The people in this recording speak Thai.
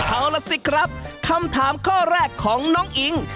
เอาล่ะสิครับคำถามข้อแรกของน้องอิง